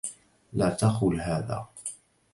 لا تقل هذا.